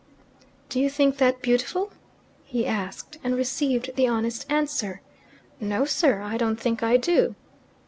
"Do you think that beautiful?" he asked, and received the honest answer, "No, sir; I don't think I do."